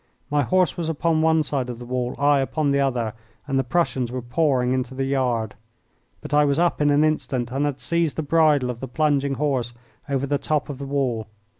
My horse was upon one side of the wall, I upon the other, and the Prussians were pouring into the yard. But I was up in an instant and had seized the bridle of the plunging horse over the top of the wall.